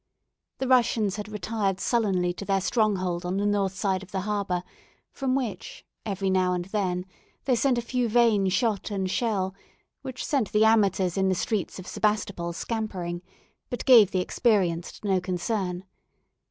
The Russians had retired sullenly to their stronghold on the north side of the harbour, from which, every now and then, they sent a few vain shot and shell, which sent the amateurs in the streets of Sebastopol scampering, but gave the experienced no concern.